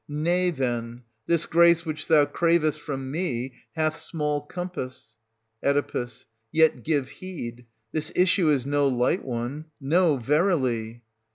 Nay, then, this grace which thou cravest from me hath small compass. Oe. Yet ^\\^ heed ; this issue is no light one, — no, verily.